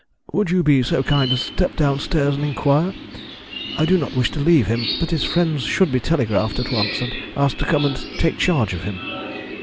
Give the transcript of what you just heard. "Would you be so kind as to step downstairs and inquire? I do not wish to leave him, but his friends should be telegraphed to at once and asked to come and take charge of him."